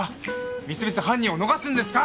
みすみす犯人を逃すんですか！？